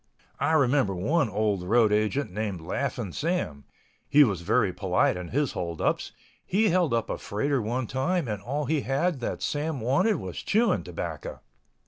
I remember one old road agent named Laughing Sam. He was very polite in his holdups. He held up a freighter one time and all he had that Sam wanted was chewing tobacco.